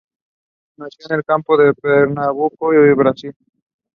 Queiroz was born in Brazil and grew up in the United States and Spain.